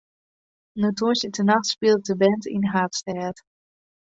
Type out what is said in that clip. No tongersdeitenacht spilet de band yn de haadstêd.